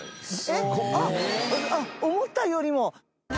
えっあっ思ったよりも。